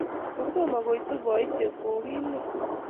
Kitomo koitu boisie kokile